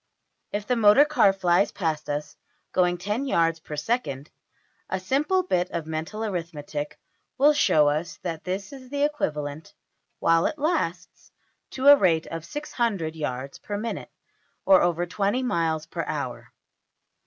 If the motor car flies past us going $10$~yards per second, a simple bit of mental arithmetic will show us that this is equivalent while it lasts to a rate of $600$~yards per minute, or over $20$~miles per hour.